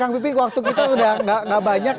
kang bipin waktu kita sudah tidak banyak